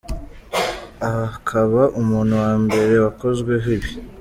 Akaba umuntu wa mbere wakozweho ibi.